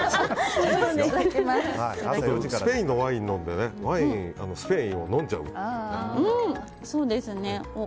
スペインのワイン飲んでスペインを飲んじゃうっていうね。